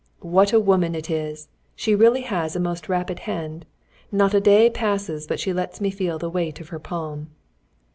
"What a woman it is! She really has a most rapid hand. Not a day passes but she lets me feel the weight of her palm."